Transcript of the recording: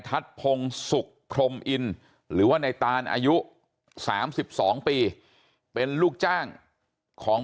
ทัศน์พงศุกร์พรมอินหรือว่าในตานอายุ๓๒ปีเป็นลูกจ้างของ